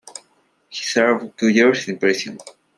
He served two years in prison.